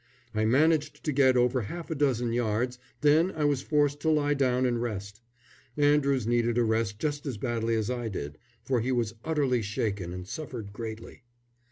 I managed to get over half a dozen yards, then I was forced to lie down and rest. Andrews needed a rest just as badly as I did, for he was utterly shaken and suffered greatly.